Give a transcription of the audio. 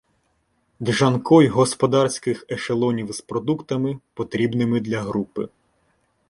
Джанкой господарських ешелонів з продуктами, потрібними для групи.